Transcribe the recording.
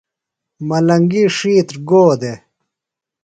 ملنگی ڇِھیتر گو دےۡ؟